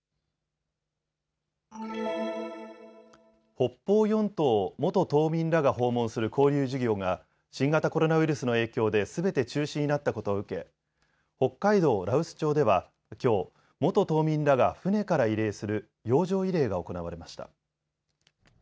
北方四島を元島民らが訪問する交流事業が新型コロナウイルスの影響ですべて中止になったことを受け北海道羅臼町では、きょう元島民らが船から慰霊する洋上慰霊が行われました。